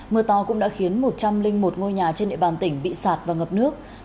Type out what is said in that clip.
mưa to cũng đã khiến một trăm linh một ngôi nhà trên địa bàn tỉnh bị sạt và ngập nước